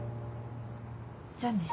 じゃあね。